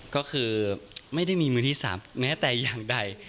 ก็คือไม่ได้มีมือที่๓แม้แต่อย่างใด